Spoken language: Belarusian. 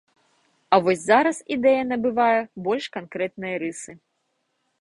І вось зараз ідэя набывае больш канкрэтныя рысы.